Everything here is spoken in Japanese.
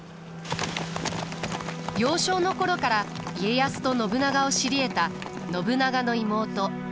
幼少の頃から家康と信長を知りえた信長の妹市。